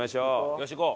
よし行こう。